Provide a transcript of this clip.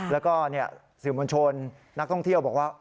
แล้วก็สื่อมวลชนนักท่องเที่ยวบอกว่า